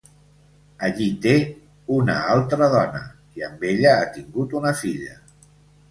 Allí té una altra dona i amb ella ha tingut una filla.